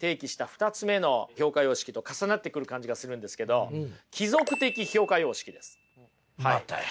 ２つ目の評価様式と重なってくる感じがするんですけどまたや。